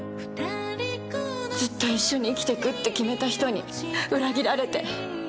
ずっと一緒に生きていくって決めた人に会えたのに。